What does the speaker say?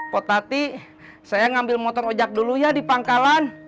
potati saya ngambil motor ojek dulu ya di pangkalan